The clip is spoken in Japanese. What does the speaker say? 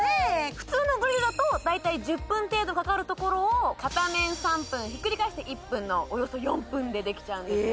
普通のグリルだと大体１０分程度かかるところを片面３分ひっくり返して１分のおよそ４分でできちゃうんですね